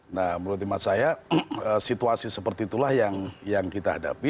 nah menurut imat saya situasi seperti itulah yang kita hadapi